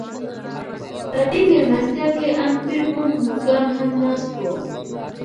په دې مېلمستیا کې ان پیرپونټ مورګان هم ناست و